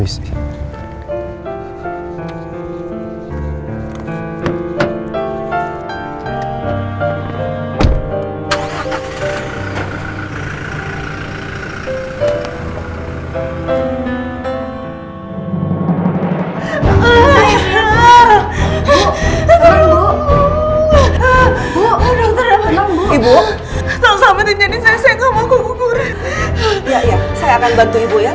saya tentukan ibu